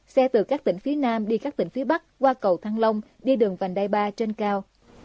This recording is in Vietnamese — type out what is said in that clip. xe từ các tỉnh phía nam đi các tỉnh phía bắc qua cầu thăng long đi đường vành đai ba trên cao